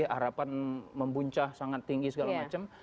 harapan membuncah sangat tinggi segala macam